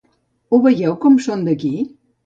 Ho veieu com són d'aquí?